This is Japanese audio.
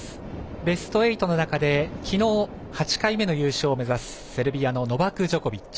ベスト８の中で昨日８回目の優勝を目指すセルビアのノバク・ジョコビッチ。